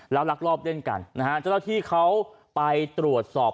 แล้วลักลอบเล่นกันนะฮะเจ้าหน้าที่เขาไปตรวจสอบ